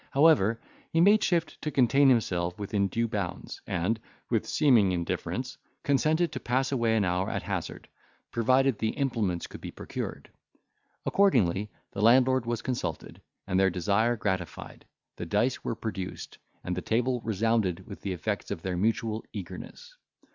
However, he made shift to contain himself within due bounds, and, with seeming indifference, consented to pass away an hour at hazard, provided the implements could be procured. Accordingly, the landlord was consulted, and their desire gratified; the dice were produced, and the table resounded with the effects of their mutual eagerness.